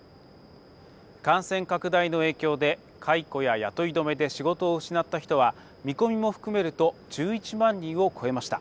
感染拡大の影響で解雇や雇い止めで仕事を失った人は見込みも含めると１１万人を超えました。